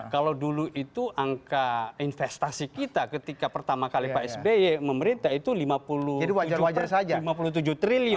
kalau dulu itu angka investasi kita ketika pertama kali pak sby memerintah itu lima puluh tujuh triliun